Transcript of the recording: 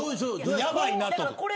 やばいなとか。